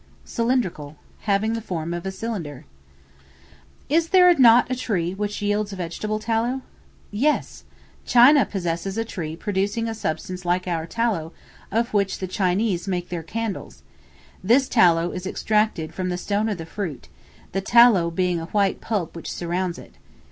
Cylindrical, having the form of a cylinder. Is there not a tree which yields a vegetable Tallow? Yes; China possesses a tree producing a substance like our tallow, of which the Chinese make their candles; this tallow is extracted from the stone of the fruit, the tallow being a white pulp which surrounds it.